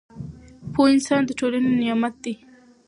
پوه انسان د ټولنې نعمت دی